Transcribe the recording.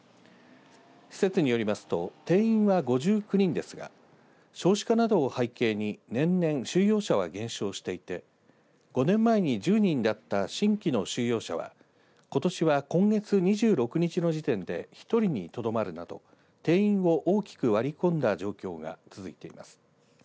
施設によりますと定員は５９人ですが少子化などを背景に年々、収容者は減少していて５年前に１０人だった新規の収容者はことしは今月２６日の時点で１人にとどまるなど定員を大きく割り込んだ状況が続いています。